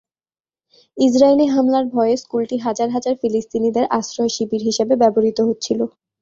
Israeli হামলার ভয়ে স্কুলটি হাজার হাজার ফিলিস্তিনিদের আশ্রয় শিবির হিসেবে ব্যবহূত হচ্ছিল।